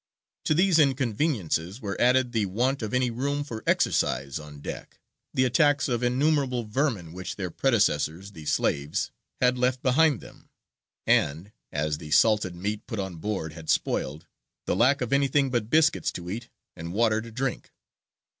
To these inconveniences were added the want of any room for exercise on deck, the attacks of innumerable vermin which their predecessors, the slaves, had left behind them, and (as the salted meat put on board had spoiled) the lack of anything but biscuits to eat and water to drink.